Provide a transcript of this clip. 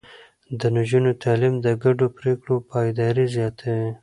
د نجونو تعليم د ګډو پرېکړو پايداري زياتوي.